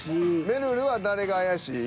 めるるは誰が怪しい？